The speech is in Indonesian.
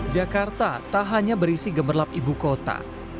jakarta tak hanya berisi gemerlap ibu kota